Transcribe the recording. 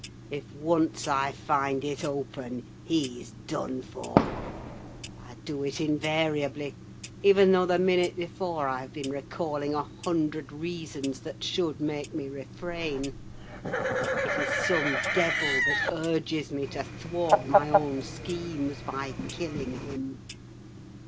If once I find it open he's done for; I do it invariably, even though the minute before I have been recalling a hundred reasons that should make me refrain: it is some devil that urges me to thwart my own schemes by killing him.